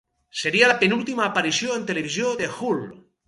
Seria la penúltima aparició en televisió de Hull.